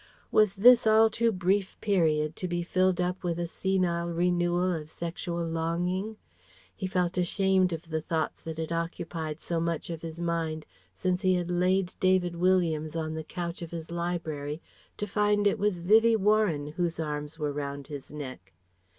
Was this all too brief period to be filled up with a senile renewal of sexual longing! He felt ashamed of the thoughts that had occupied so much of his mind since he had laid David Williams on the couch of his library, to find it was Vivie Warren whose arms were round his neck.